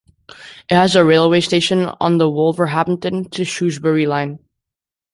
It has a railway station on the Wolverhampton to Shrewsbury Line.